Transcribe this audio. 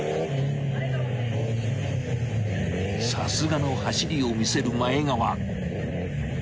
［さすがの走りを見せる前川］